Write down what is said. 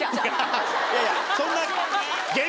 いやいやそんな。